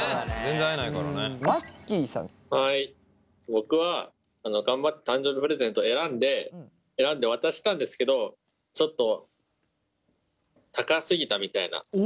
僕は頑張って誕生日プレゼント選んで選んで渡したんですけど高すぎて。